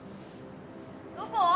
どこ？